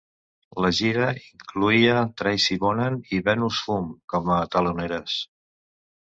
La gira incloïa Tracy Bonham i Venus Hum com a teloneres.